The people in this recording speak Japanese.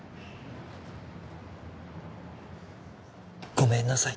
ごめんなさい。